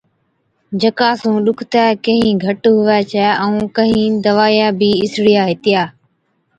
جڪا سُون ڏُکتَي ڪهِين گھٽ هُوَي ڇَي، ائُون ڪهِين دَوائِيا بِي اِسڙِيا هِتِيا،